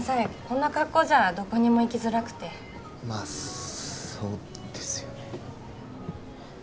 こんな格好じゃどこにも行きづらくてまあそうですよね